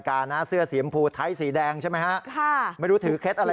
คุณพูนิพัฒน์ค่ะ